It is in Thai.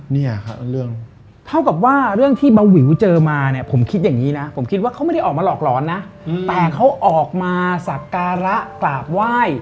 เนี่ยครับเรื่องเท่ากับว่าเรื่องที่เบาวิวเจอมาเนี่ยผมคิดอย่างนี้นะผมคิดว่าเขาไม่ได้ออกมาหลอกหลอนนะแต่เขาออกมาสักการะกราบไหว้